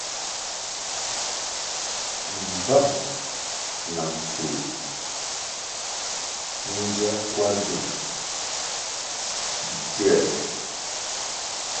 Mbvang na mpful mi nzier kwar gina mindzierli.